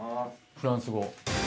フランス語。